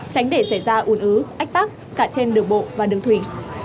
tránh để xảy ra uốn ứ ách tác cả trên đường bộ và đường thủy